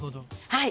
はい。